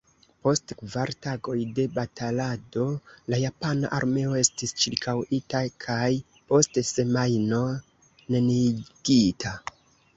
Post kvar tagoj de batalado la japana armeo estis ĉirkaŭita kaj post semajno neniigita.